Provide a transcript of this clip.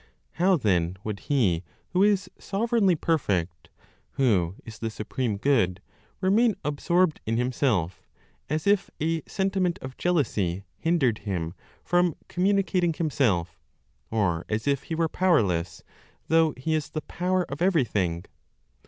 How then would He who is sovereignly perfect, who is the supreme Good, remain absorbed in Himself, as if a sentiment of jealousy hindered Him from communicating Himself, or as if He were powerless, though He is the power of everything?